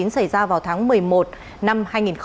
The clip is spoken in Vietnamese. xảy ra vào tháng một mươi một năm hai nghìn hai mươi